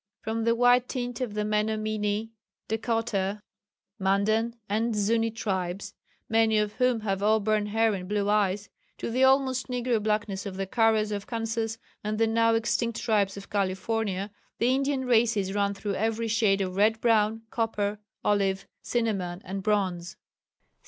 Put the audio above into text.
From the white tint of the Menominee, Dakota, Mandan and Zuni tribes, many of whom have auburn hair and blue eyes, to the almost negro blackness of the Karos of Kansas and the now extinct tribes of California, the Indian races run through every shade of red brown, copper, olive, cinnamon, and bronze.